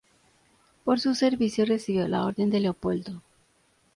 Por sus servicios recibió la orden de Leopoldo.